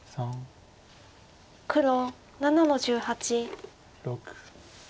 黒７の十八。